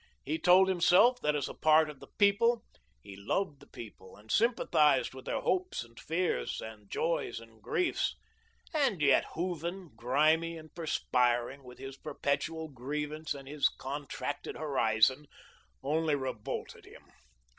He told himself that, as a part of the people, he loved the people and sympathised with their hopes and fears, and joys and griefs; and yet Hooven, grimy and perspiring, with his perpetual grievance and his contracted horizon, only revolted him.